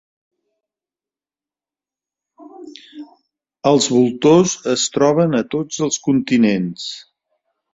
Els voltors es troben a tots els continents.